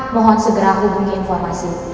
mohon segera hubungi informasi